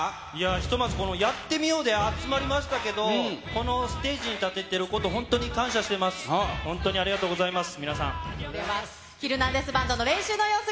ひとまず、やってみようで集まりましたけど、このステージに立ててること、本当にありがとうございます。